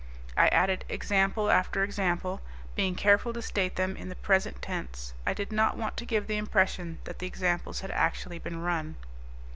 I added example after example, being careful to state them in the present tense; I did not want to give the impression that the examples had actually been run.